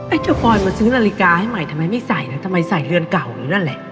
เจ้าปอยมาซื้อนาฬิกาให้ใหม่ทำไมไม่ใส่นะทำไมใส่เรือนเก่าอยู่นั่นแหละ